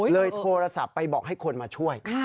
โทรศัพท์ไปบอกให้คนมาช่วย